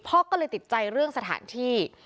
พ่อก็เลยติดใจเรื่องสถานที่